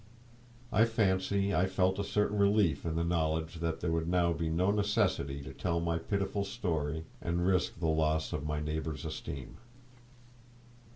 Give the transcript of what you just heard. I fancy I felt a certain relief in the knowledge that there would now be no necessity to tell my pitiful story and risk the loss of my neighbours' esteem.